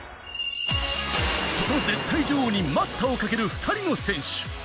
その絶対女王に待ったをかける２人の選手。